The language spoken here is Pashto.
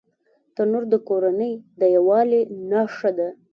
تنور د کورنۍ د یووالي نښه ده